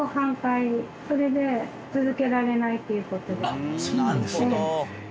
あっそうなんですね。